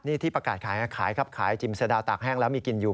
นี่ที่ประกาศขายขายครับขายจิมสะดาวตากแห้งแล้วมีกินอยู่